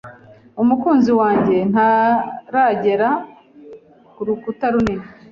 Umukunzi wanjye ntaragera kurukuta runini.